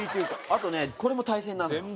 あとねこれも大戦なのよ。